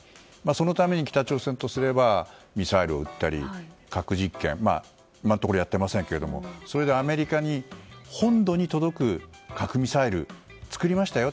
そのために北朝鮮とすればミサイルを打ったり、核実験今のところやってませんけどそれでアメリカに本土に届く核ミサイル作りましたよ